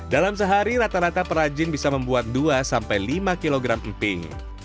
dalam sehari rata rata perajin bisa membuat dua sampai lima kilogram emping